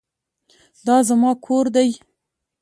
دا زما کور دی.